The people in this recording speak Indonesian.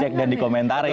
dicek dan dikomentari